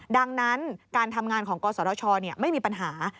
ดังนั้นการทำงานของกฎศาสตร์ธชอมเนี่ยไม่มีปัญหา